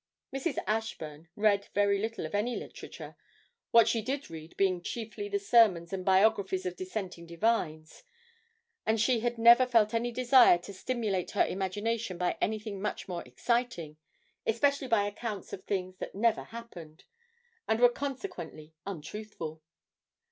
Mrs. Ashburn read very little of any literature; what she did read being chiefly the sermons and biographies of Dissenting divines, and she had never felt any desire to stimulate her imagination by anything much more exciting, especially by accounts of things that never happened, and were consequently untruthful.